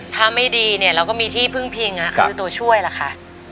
ถ้าไม่ดีเราก็มีที่เพิ่งพิงคือตัวช่วยค่ะ